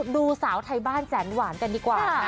ดูสาวไทยบ้านแสนหวานกันดีกว่าค่ะ